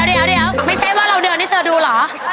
เดี๋ยวไม่ใช่ว่าเราเดินให้เจอดูเหรอ